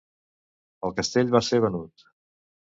El castell va ser venut.